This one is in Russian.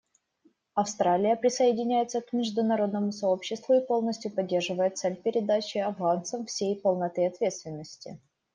Австралия присоединяется к международному сообществу и полностью поддерживает цель передачи афганцам всей полноты ответственности.